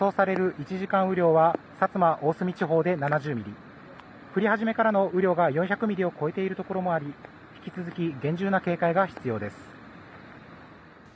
１時間雨量は薩摩・大隅地方で７０ミリ降り始めからの雨量が４００ミリを超えているところもあり引き続き厳重な警戒が必要です。